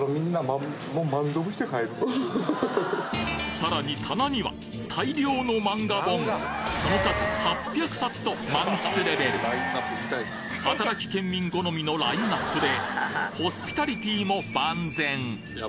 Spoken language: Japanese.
さらに棚には大量のマンガ本その数８００冊と漫喫レベル働きケンミン好みのラインナップでホスピタリティーも万全！